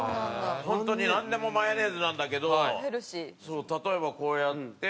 本当になんでもマヨネーズなんだけど例えばこうやって。